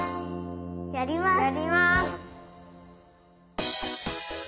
やります！